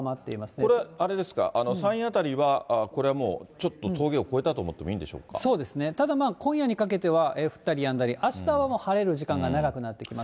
これ、あれですか、山陰辺りはこれはもう、ちょっと峠を越えそうですね、ただまあ、今夜にかけては、降ったりやんだり、あしたはもう晴れる時間が長くなってきます。